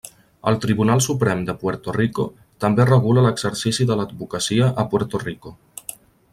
El Tribunal Suprem de Puerto Rico també regula l'exercici de l'advocacia a Puerto Rico.